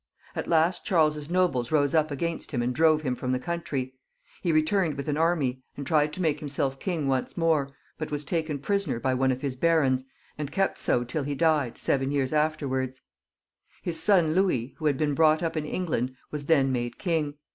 At last Charles's nobles rose up against him and drove him from the country. He returned with an army, and tried to make himself king once more, but was taken prisoner by one of his barons, and kept so till he died seven years afterwards. His son Louis, who had been brought up in England, was then made king.